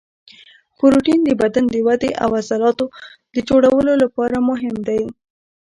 پروټین د بدن د ودې او د عضلاتو د جوړولو لپاره مهم دی